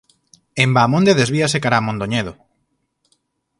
En Baamonde desvíase cara a Mondoñedo.